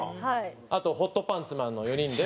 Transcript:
あとホットパンツマンの４人で。